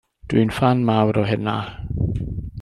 Dw i'n ffan mawr o hynna.